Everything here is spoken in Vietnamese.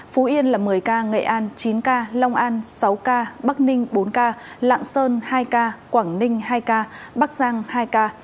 phú yên là một mươi ca nghệ an chín ca long an sáu ca bắc ninh bốn ca lạng sơn hai ca quảng ninh hai ca bắc giang hai ca